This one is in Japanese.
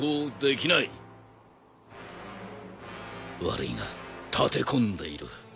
悪いが立て込んでいる。